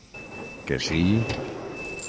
Que sí?